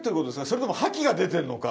それとも覇気が出てるのか。